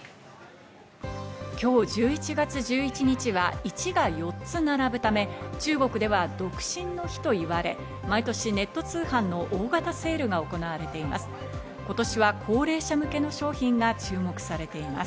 今日１１月１１日は１が４つ並ぶため、中国では独身の日と言われ毎年ネット通販の大型セールが行われています。